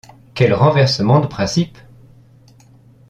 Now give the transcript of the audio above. Quel renversement de principes !